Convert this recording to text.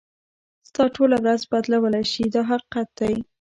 ستا ټوله ورځ بدلولای شي دا حقیقت دی.